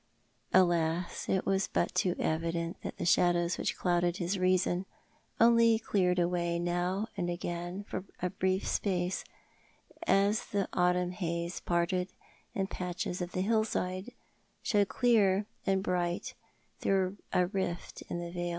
Alas! it was but too evident that the shadows which clouded his reason only cleared away now and again for a brief space, as the autumn haze parted and patches of the hillside showed clear and bright through a rift in the veil.